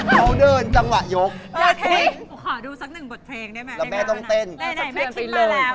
ไหนแม่คิดมาแล้ว